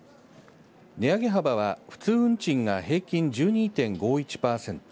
値上げ幅は普通運賃が平均１２．５１パーセント。